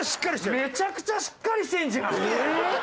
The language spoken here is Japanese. めちゃくちゃしっかりしてるじゃん！